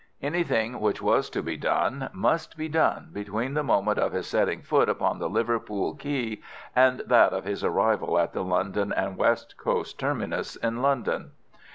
Anything which was to be done must be done between the moment of his setting foot upon the Liverpool quay and that of his arrival at the London and West Coast terminus in London.